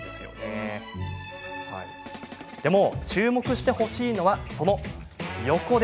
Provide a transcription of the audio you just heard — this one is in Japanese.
でも注目してほしいのは、その横。